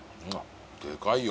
でかいよ。